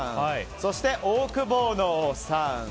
そしてオオクボーノさん。